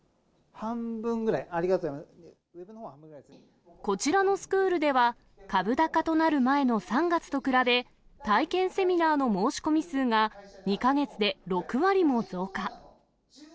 半分ぐらい、ありがとうございまこちらのスクールでは、株高となる前の３月と比べ、体験セミナーの申し込み数が２か月で６割も増加。